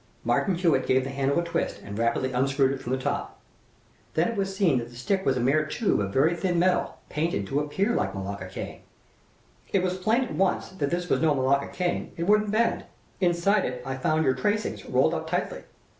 Martin Hewitt gave the handle a twist and rapidly unscrewed it from the top. Then it was seen that the stick was a mere tube of very thin metal, painted to appear like a Malacca cane. "It was plain at once that this was no Malacca cane it wouldn't bend. Inside it I found your tracings, rolled up tightly.